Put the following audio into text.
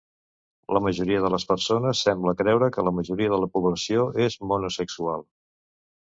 La majoria de les persones sembla creure que la majoria de la població és monosexual.